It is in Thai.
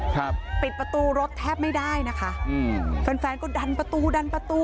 ครับปิดประตูรถแทบไม่ได้นะคะอืมแฟนแฟนก็ดันประตูดันประตู